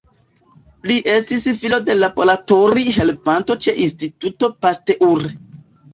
Li estis filo de laboratori-helpanto ĉe Instituto Pasteur.